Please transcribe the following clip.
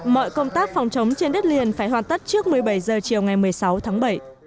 mọi công tác phòng chống trên đất liền phải hoàn tất trước một mươi bảy h chiều ngày một mươi sáu tháng bảy